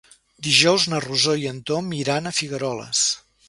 Dijous na Rosó i en Tom iran a Figueroles.